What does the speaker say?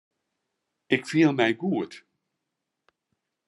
Ik fiel my goed.